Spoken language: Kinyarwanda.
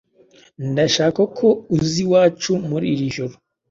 Ndashaka ko uza iwacu muri iri joro.